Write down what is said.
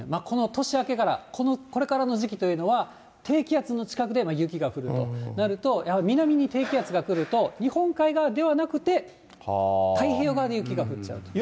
この年明けから、これからの時期っていうのは、低気圧の近くで雪が降るとなると、やはり、南に低気圧が来ると、日本海側ではなくて、太平洋側で雪が降っちゃう。